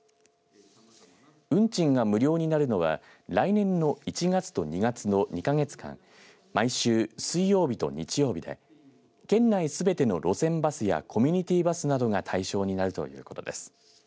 運賃が無料になるのは来年の１月と２月の２か月間毎週水曜日と日曜日で県内すべての路線バスやコミュニティーバスなどが対象になるということです。